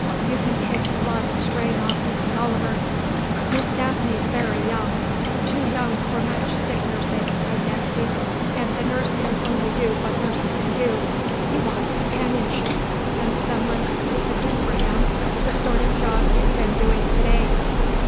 "You can take a lot of strain off Mrs. Oliver. Miss Daphne's very young too young for much sick nursing, I fancy; and the nurse can only do what nurses can do. He wants companionship, and someone who can do for him the sort of job you've been doing to day."